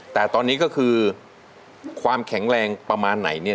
แต่ตอนนี้ก็คือความแข็งแรงประมาณไหนเนี่ย